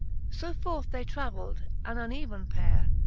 So forth they traveM an uneven payre.